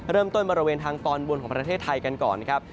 บริเวณทางตอนบนของประเทศไทยกันก่อนนะครับ